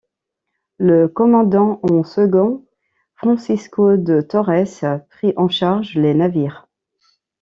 Le commandant en second Francisco de Torres, prit en charge les navires.